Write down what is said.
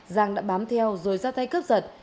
giang đã bám theo rồi ra tay cướp giật